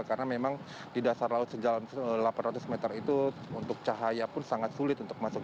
karena memang di dasar laut sejalan delapan ratus meter itu untuk cahaya pun sangat sulit untuk masuk